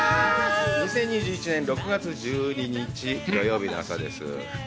２０２１年６月１２日、土曜日の朝です。